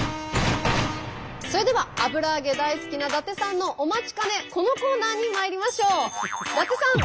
それでは油揚げ大好きな伊達さんのお待ちかねこのコーナーにまいりましょう！